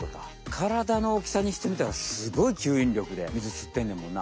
体の大きさにしてみたらすごい吸引力で水吸ってんねんもんな。